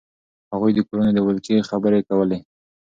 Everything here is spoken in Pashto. هغوی د کورونو د ولکې خبرې کولې.